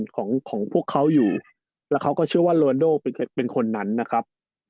ของของพวกเขาอยู่แล้วเขาก็เชื่อว่าโรนโดเป็นคนนั้นนะครับ